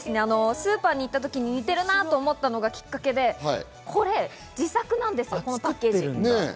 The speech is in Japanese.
スーパーに行った時に似てるなと思ったのがきっかけでこれ自作なんです、このパッケージ。